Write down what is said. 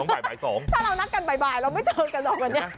ถ้าเรานัดกันบ่ายเราไม่เจอกันหรอกวันนี้